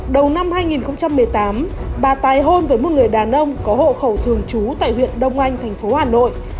đầu năm hai nghìn một mươi tám bà tài hôn với một người đàn ông có hộ khẩu thường trú tại huyện đông anh thành phố hà nội